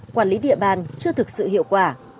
quản lý địa bàn chưa thực sự hiệu quả